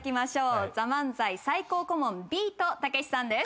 『ＴＨＥＭＡＮＺＡＩ』最高顧問ビートたけしさんです。